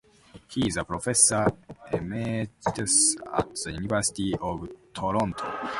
He is a professor emeritus at the University of Toronto.